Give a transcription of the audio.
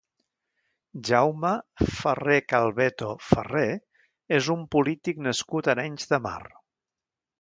Jaume Ferrer-Calbeto Ferrer és un polític nascut a Arenys de Mar.